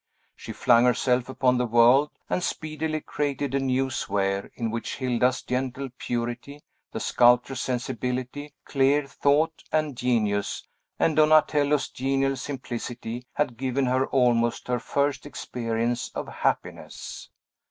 She flung herself upon the world, and speedily created a new sphere, in which Hilda's gentle purity, the sculptor's sensibility, clear thought, and genius, and Donatello's genial simplicity had given her almost her first experience of happiness.